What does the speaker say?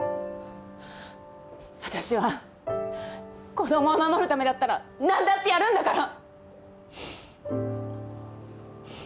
あたしは子供を守るためだったら何だってやるんだから！